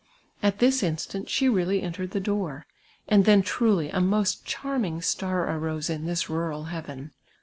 At this instant she really entered the door; and then truly a most eharminj; star arose in this rural heaven.